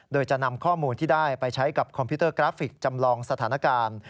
โดยจะนำข้อมูลที่ได้ไปใช้กับคอมพิวเตอร์กราฟิกจำลองสถานการณ์